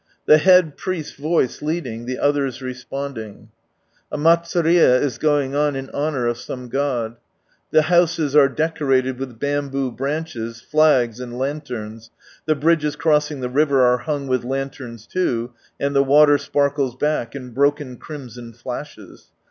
The Head Priest's voice leading, the others responding. A Malsurie is going on in honour of some god. The houses are decorated with bamboo branches, flags, and lanterns ; the bridges crossing the river arc hung with lanterns too, and the water sparkles back in broken crimson flashes.